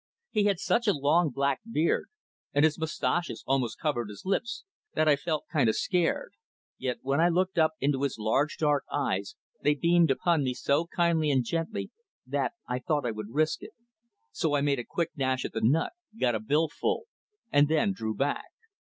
He had such a long black beard, and his moustaches almost covered his lips, that I felt "kind o' scared," yet when I looked up into his large dark eyes, they beamed upon me so kindly and gently that I thought I would risk it; so I made a quick dash at the nut, got a bill full, and then drew back.